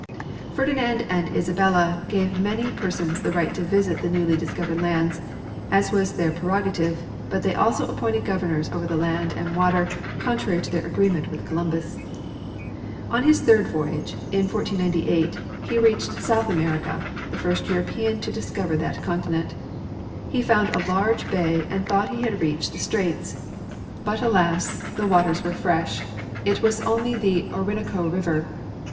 Ferdinand and Isabella gave many persons the right to visit the new discovered lands, as was their prerogative, but they also appointed governors over the land and water, contrary to thei* agreement with Columbus. On his third voyage, in 1498, he reached South America, the first European to discover that continent. He found a large bay and thought he had reached the straits ; but, alas, the waters Later Voyages and Death of Columbus. 9 were fresh — it was only the Orinoco river.